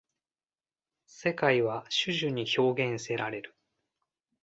世界は種々に表現せられる。